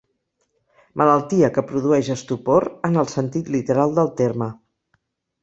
Malaltia que produeix estupor en el sentit literal del terme.